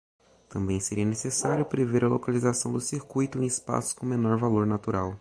Também seria necessário prever a localização do circuito em espaços com menor valor natural.